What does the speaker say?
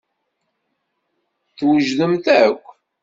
Twejdemt akk.